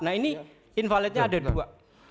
nah ini invaletnya ada dua